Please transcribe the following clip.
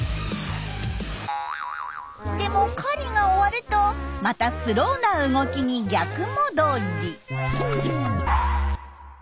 でも狩りが終わるとまたスローな動きに逆戻り。